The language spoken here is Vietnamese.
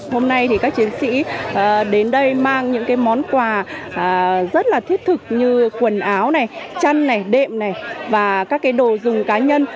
hôm nay thì các chiến sĩ đến đây mang những món quà rất là thiết thực như quần áo chăn đệm và các đồ dùng cá nhân